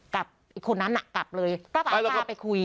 กับอีกคนนั้นน่ะกลับเลยก็กลับไปคุย